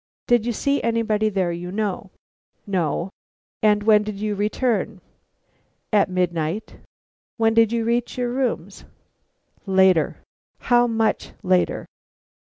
"Did you see anybody there you know?" "No." "And when did you return?" "At midnight." "When did you reach your rooms?" "Later." "How much later?"